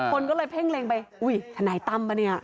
คนก็เลยเพ่งเล็งไปอุ้ยทนายตั้มป่ะเนี่ย